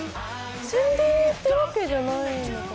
宣伝ってわけじゃないのかな。